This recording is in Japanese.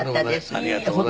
ありがとうございます。